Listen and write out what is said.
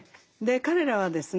彼らはですね